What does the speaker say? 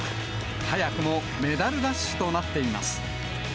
早くもメダルラッシュとなっています。